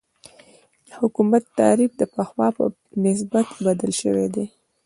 د حکومت تعریف د پخوا په نسبت بدل شوی دی.